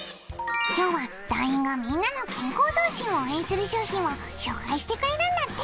今日は団員がみんなの健康増進を応援する商品を紹介してくれるんだって。